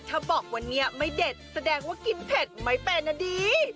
ถ้าบอกวันนี้ไม่เด็ดแสดงว่ากินเผ็ดไม่เป็นนะดี